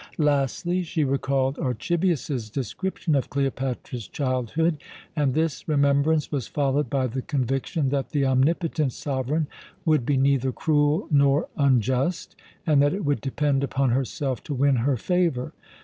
Lastly, she recalled Archibius's description of Cleopatra's childhood, and this remembrance was followed by the conviction that the omnipotent sovereign would be neither cruel nor unjust, and that it would depend upon herself to win her favour.